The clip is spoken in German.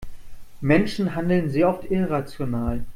Menschen handeln sehr oft irrational.